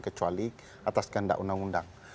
kecuali atas ganda undang undang